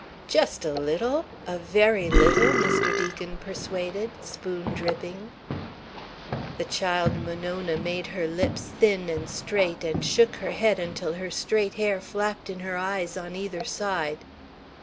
"Just a little? A very little?" Mr. Deacon persuaded, spoon dripping; The child Monona made her lips thin and straight and shook her head until her straight hair flapped in her eyes on either side.